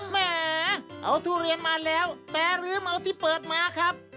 แหมเอาทุเรียนมาแล้วแต่หรือเมาที่เปิดมาครับ